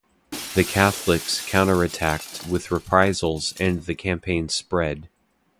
The Catholics counter-attacked with reprisals and the campaign spread.